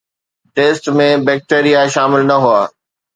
test ۾ bacteria شامل نه هئا